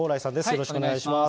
よろしくお願いします。